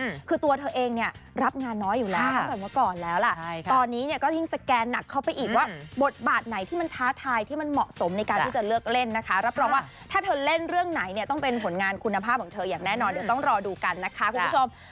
อย่างแน่นอนเดี๋ยวต้องรอดูกันนะคะคุณผู้ชม